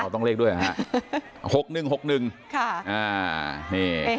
ต้องเล็กด้วยหรอฮกนึงหนึ่ง